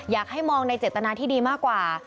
อยากให้มองในเจตนาที่ดีมากกว่า